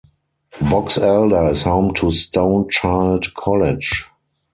Box Elder is home to Stone Child College.